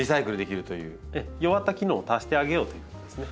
弱った機能を足してあげようということですね。